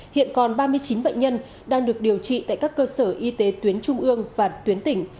hiện còn ba mươi chín bệnh nhân đang được điều trị tại các cơ sở y tế tuyến trung ương và tuyến tỉnh